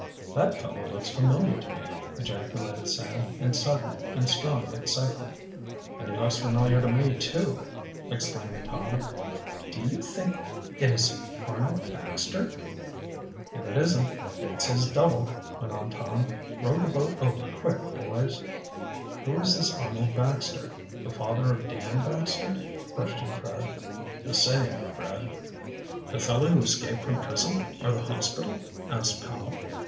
"That fellow looks familiar to me," ejaculated Sam, in sudden and strong excitement. "And he looks familiar to me, too," exclaimed Tom. "Do you think it is Arnold Baxter?" "If it isn't, it's his double," went on Tom. "Row the boat over quick, boys." "Who is this Arnold Baxter? The father of Dan Baxter?" questioned Fred. "The same, Fred." "The fellow who escaped from prison, or the hospital?" asked Powell.